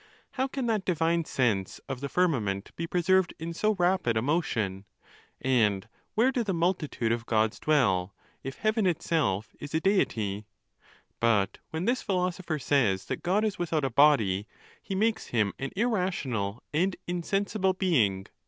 How can that divine sense of the firmament be preserved in so rapid a motion ? And where do the mul titude of Gods dwell, if heaven itself is a Deity? Biit when this philosopher says that God is without a body, he makes him an irrational and insensible being.